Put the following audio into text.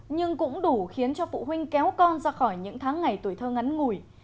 nhưng cũng đủ khiến cho phụ huynh kéo con ra khỏi những tháng ngày tuổi thơ ngắn ngủi